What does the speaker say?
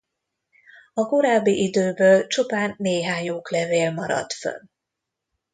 A korábbi időből csupán néhány oklevél maradt fönn.